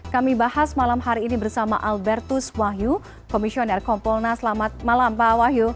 kami bahas malam hari ini bersama albertus wahyu komisioner kompolnas selamat malam pak wahyu